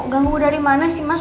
ganggu dari mana sih mas